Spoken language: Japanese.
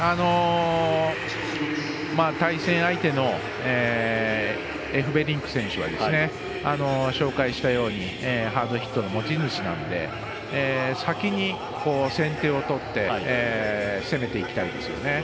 対戦相手のエフベリンク選手は紹介したようにハードヒットの持ち主なので先に先手を取って攻めていきたいですよね。